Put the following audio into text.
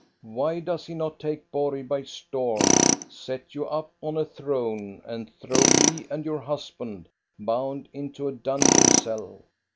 Why does he not take Borg by storm, set you up on a throne, and throw me and your husband, bound, into a dun geon cell?